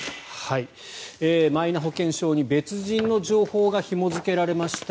マイナ保険証に別人の情報がひも付けられました。